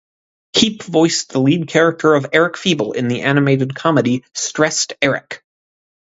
Heap voiced the lead character of Eric Feeble in the animated comedy "Stressed Eric".